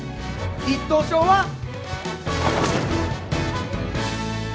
一等賞は！